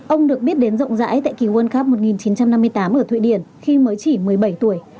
ông được biết đến rộng rãi tại kỳ world cup một nghìn chín trăm năm mươi tám ở thụy điển khi mới chỉ một mươi bảy tuổi